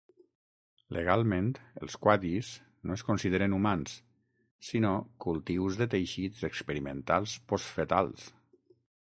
Legalment, els quaddies no es consideren humans, sinó "cultius de teixits experimentals postfetals".